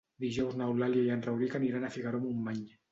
Dijous n'Eulàlia i en Rauric aniran a Figaró-Montmany.